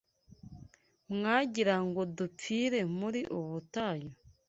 Mwagirango dupfire muri ubu butayu?